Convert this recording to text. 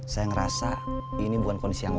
saya ngerasa ini bukan kondisi yang